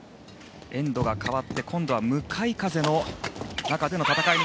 エンドが変わって今度は向かい風の中での戦い。